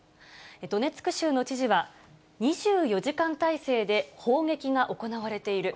ドネツク州の知事は２４時間態勢で砲撃が行われている。